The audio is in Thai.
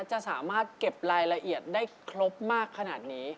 จะสามารถเก็บรายละเอียดได้ครบมากขนาดนี้